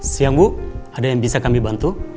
siang bu ada yang bisa kami bantu